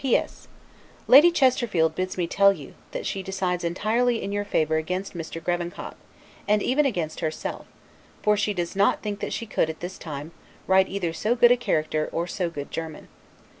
P. S. Lady Chesterfield bids me tell you, that she decides entirely in your favor against Mr. Grevenkop, and even against herself; for she does not think that she could, at this time, write either so good a character or so good German.